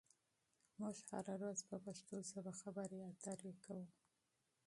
موږ هره ورځ په پښتو ژبه خبرې اترې کوو.